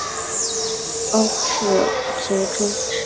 凹刺足蛛为光盔蛛科刺足蛛属的动物。